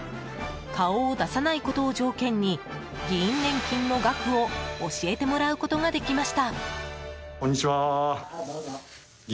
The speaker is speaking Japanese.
顔を出さないことを条件に議員年金の額を教えてもらうことができました。